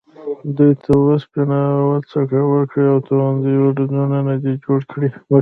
دوی ته وسپنه و څټک ورکړې او توغندي او ډرونونه دې جوړ کړي.